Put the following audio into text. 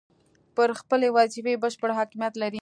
پر خپلې وظیفې بشپړ حاکمیت لري.